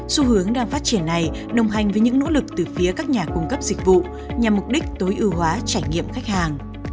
xu hướng đang phát triển này đồng hành với những nỗ lực từ phía các nhà cung cấp dịch vụ nhằm mục đích tối ưu hóa trải nghiệm khách hàng